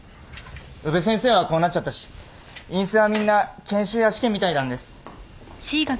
宇部先生はこうなっちゃったし院生はみんな研修や試験みたいなんです。